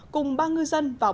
cùng ba ngư dân